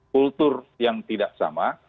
kultur yang tidak sama